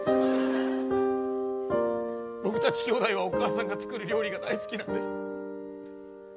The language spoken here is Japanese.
僕たち兄弟はお母さんが作る料理が大好きなんです。